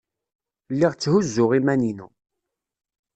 Lliɣ tthuzzuɣ iman-inu.